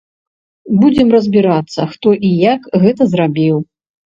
Будзем разбірацца, хто і як гэта зрабіў.